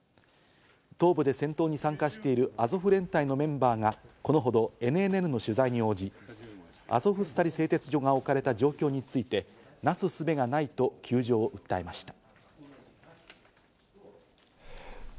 東部で戦闘に参加しているアゾフ連隊のメンバーがこのほどＮＮＮの取材に応じ、アゾフスタリ製鉄所が置かれた状況についてなすすべがないと窮状を訴えました。